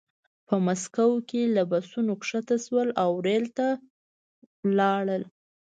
په مسکو کې له بسونو ښکته شول او ریل ته لاړل